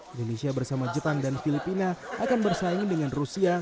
indonesia bersama jepang dan filipina akan bersaing dengan rusia